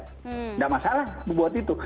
tidak masalah membuat itu